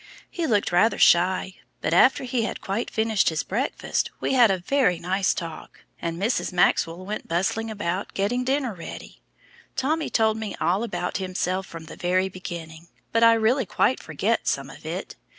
He looked rather shy, but after he had quite finished his breakfast, we had a very nice talk, and Mrs. Maxwell went bustling about getting dinner ready. Tommy told me all about himself from the very beginning, but I really quite forget some of it.